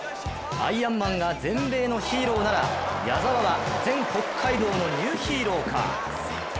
「アイアンマン」が全米のヒーローなら矢澤は全北海道のニューヒーローか。